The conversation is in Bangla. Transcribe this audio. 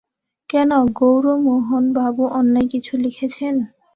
কেন, গৌরমোহনবাবু অন্যায় কিছু লিখেছেন?